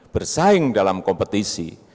bersaing dalam kompetisi